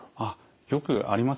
よくあります。